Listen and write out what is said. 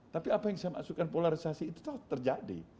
tapi apa yang saya maksudkan polarisasi itu terjadi